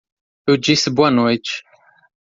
Eu disse boa noite.